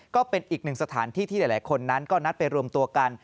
ก็เป็นอีกหนึ่งสถานที่ที่หลายคนนั้นก็นัดไปรวมตัวกัน